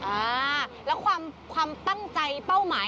อ่าแล้วความความตั้งใจเป้าหมาย